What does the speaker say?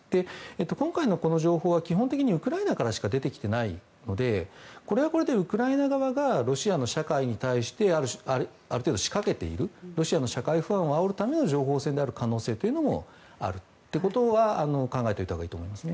今回の情報は基本的にウクライナからしか出てきていないのでこれはこれでウクライナ側がロシアの社会に対してある程度仕掛けているロシアの社会不安をあおるための情報戦である可能性というのもあるっていうことは考えておいたほうがいいですね。